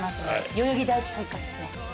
代々木第一体育館ですね。